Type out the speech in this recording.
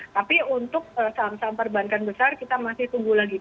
tapi untuk saham saham perbankan besar kita masih tunggu lagi